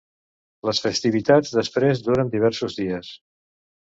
Les festivitats després duren diversos dies.